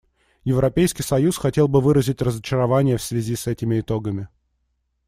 Европейский союз хотел бы выразить разочарование в связи с этими итогами.